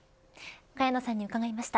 萱野さんに伺いました。